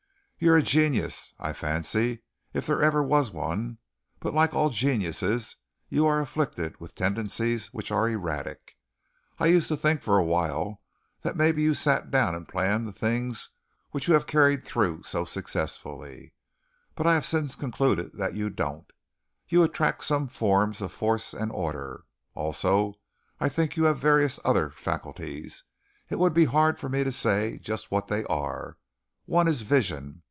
"You're a genius, I fancy, if there ever was one, but like all geniuses you are afflicted with tendencies which are erratic. I used to think for a little while that maybe you sat down and planned the things which you have carried through so successfully, but I have since concluded that you don't. You attract some forms of force and order. Also, I think you have various other faculties it would be hard for me to say just what they are. One is vision.